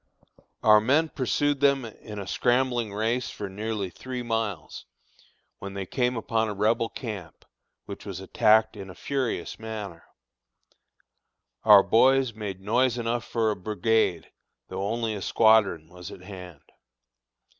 Our men pursued them in a scrambling race for nearly three miles, when they came upon a Rebel camp, which was attacked in a furious manner. Our boys made noise enough for a brigade, though only a squadron was at hand.